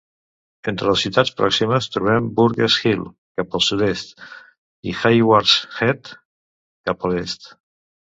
Entre les ciutats pròximes trobem Burgess Hill cap al sud-est i Haywards Heath cap a l'est.